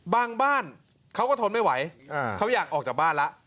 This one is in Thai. บ้านเขาก็ทนไม่ไหวเขาอยากออกจากบ้านแล้ว